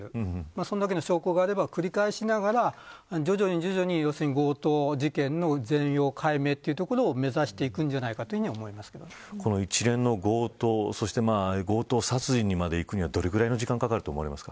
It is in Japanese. それだけの証拠があれば繰り返しながら徐々に強盗事件の全容解明というところを目指していくんじゃないかこの一連の強盗そして強盗殺人にいくまでにはどれくらいの時間がかかると思いますか。